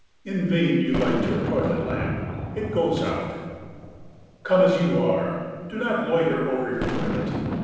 In vain you light your toilet lamp it goes out. Come as you are; do not loiter over your toilet.